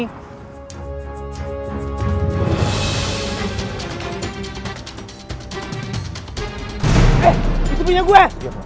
eh itu punya gue